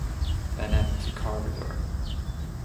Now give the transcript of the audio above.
An empty corridor.